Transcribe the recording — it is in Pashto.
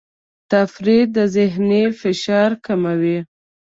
تفریح د ذهني فشار کموي.